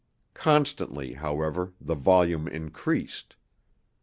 Constantly, however, the volume increased.